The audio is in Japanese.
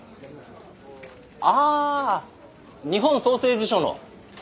あ日本創成地所の。